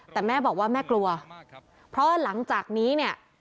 แต่แม่บอกว่าแม่กลัวเพราะหลังจากนี้เนี่ย